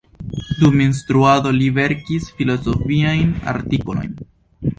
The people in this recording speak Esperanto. Dum instruado li verkis filozofiajn artikolojn.